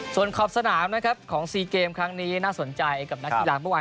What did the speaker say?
ส่วนขอบสนามนะครับของซีเกมครั้งนี้น่าสนใจกับนักกีฬาเมื่อวาน